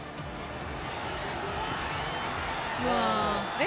え？